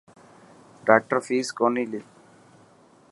ڊاڪٽر فيس ڪوني.